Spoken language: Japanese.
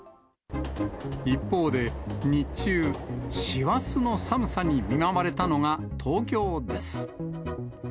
一方で、日中、師走の寒さに見舞われたのが東京です。